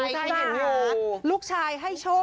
ได้เห็นลูกชายให้โชค